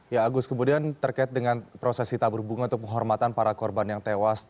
ya agus kemudian terkait dengan proses hitab berhubungan untuk penghormatan para korban yang tewas